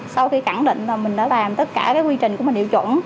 sau khi cảnh định mình đã làm tất cả quy trình của mình hiệu chuẩn